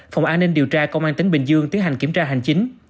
phòng an ninh điều tra công an tỉnh bình dương tiến hành kiểm tra hành chính